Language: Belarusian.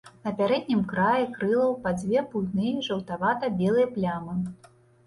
На пярэднім краі крылаў па дзве буйныя жаўтавата-белыя плямы.